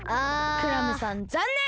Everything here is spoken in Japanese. クラムさんざんねん。